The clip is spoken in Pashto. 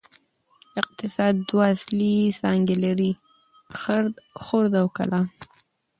اقتصاد دوه اصلي څانګې لري: خرد او کلان.